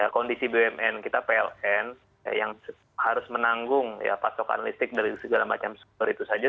kondisi bumn kita pln yang harus menanggung pasokan listrik dari segala macam sumber itu saja